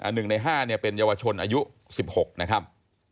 หนึ่งใน๕เป็นเยาวชนอายุ๑๖นะครับ